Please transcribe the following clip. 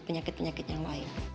penyakit penyakit yang lain